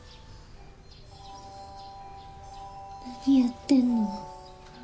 何やってんの？